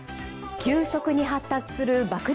急速に発達する爆弾